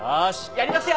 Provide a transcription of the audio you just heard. やりますよ！